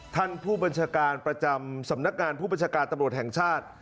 ท่านผู้บัญชาการประจำสำนักงานผู้บัญชาการตำรวจแห่งชาติ